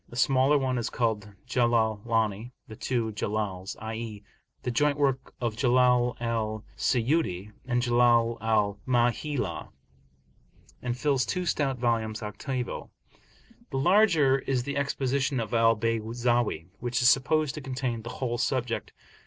The smaller one is called Jalalani ("the two Jalals," i.e. the joint work of Jalal al Siyuti and Jalal al Mahalli), and fills two stout volumes octavo. The larger is the Exposition of Al Bayzawi, which is supposed to contain the whole subject.